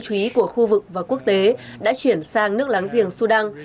chú ý của khu vực và quốc tế đã chuyển sang nước láng giềng sudan